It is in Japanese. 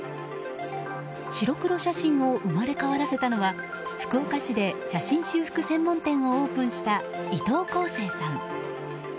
白黒写真を生まれ変わらせたのは福岡市で写真修復専門店をオープンした伊藤晃生さん。